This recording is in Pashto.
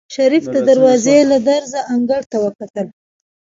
شريف د دروازې له درزه انګړ ته وکتل.